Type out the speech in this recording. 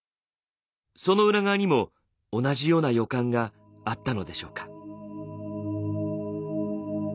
その裏側にも同じような予感があったのでしょうか。